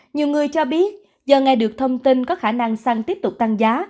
nhiều người cho biết giờ ngày được thông tin có khả năng xăng tiếp tục tăng giá